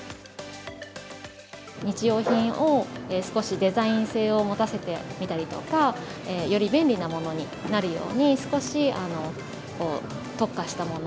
日用品を少しデザイン性を持たせてみたりとか、より便利なものになるように、少し特化したもの。